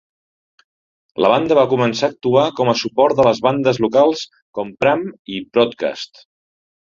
La banda va començar a actuar com a suport de les bandes locals com Pram i Broadcast.